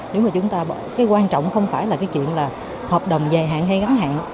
nếu mà chúng ta bỏ cái quan trọng không phải là cái chuyện là hợp đồng dài hạn hay gắn hạn